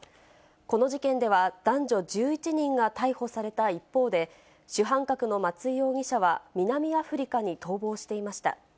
この事件では、男女１１人が逮捕された一方で、主犯格の松井容疑者は、南アフリカに逃亡していました。